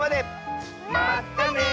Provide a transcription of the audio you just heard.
まったね！